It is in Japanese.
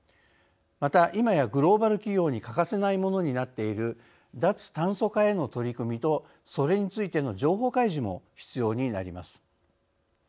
また今やグローバル企業に欠かせないものになっている脱炭素化への取り組みとそれについての情報開示も必要になります。